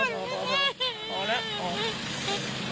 ลูก